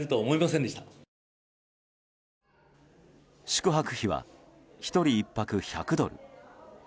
宿泊費は１人１泊１００ドル。